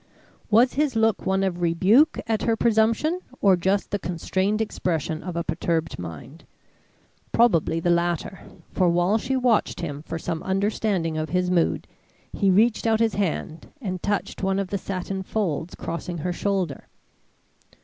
Was his look one of rebuke at her presumption, or just the constrained expression of a perturbed mind? Probably, the latter, for while she watched him for some understanding of his mood, he reached out his hand and touched one of the satin folds crossing her shoulder.